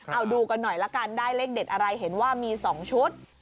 เอาดูกันหน่อยละกันได้เลขเด็ดอะไรเห็นว่ามี๒ชุด